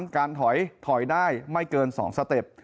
การถอยถอยได้ไม่เกิน๒สเต็ป